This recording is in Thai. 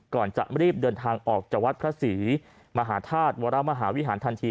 ก่อนจะรีบเดินทางออกจากวัดพระศรีมหาธาตุวรมหาวิหารทันที